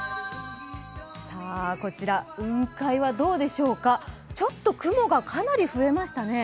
こちら雲海はどうでしょうか、かなり雲が増えましたね。